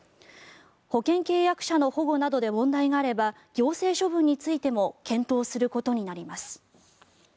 保険契約者の保護などで問題があれば行政処分についても検討することになります。